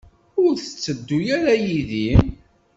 Ur tetteddu ara yid-i?